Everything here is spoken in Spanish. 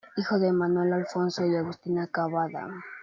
Hijo de Manuel Alfonso y Agustina Cavada.